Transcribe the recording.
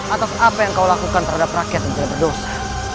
atas apa yang kau lakukan terhadap rakyat dan juga berdosa